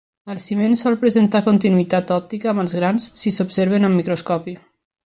El ciment sol presentar continuïtat òptica amb els grans si s'observen amb microscopi.